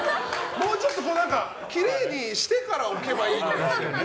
もうちょっときれいにしてから置けばいいのに。